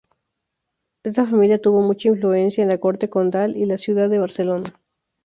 Esta familia tuvo mucha influencia en la corte condal y la ciudad de Barcelona.